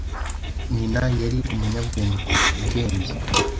Nyina yari umunyabwenge kuruta ubwenge.